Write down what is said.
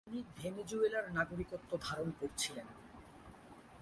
কেননা তিনি ভেনেজুয়েলার নাগরিকত্ব ধারণ করছিলেন।